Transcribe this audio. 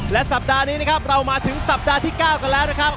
และสัปดาห์นี้นะครับเรามาถึงสัปดาห์ที่๙กันแล้วนะครับ